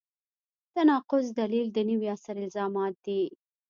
تناقض دلیل د نوي عصر الزامات دي.